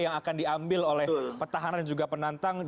yang akan diambil oleh petahana dan juga penantang